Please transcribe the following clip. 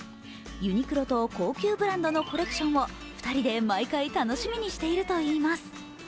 ユニクロと高級ブランドのコレクションを２人で毎回楽しみにしているといいます。